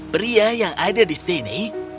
pria yang ada di sini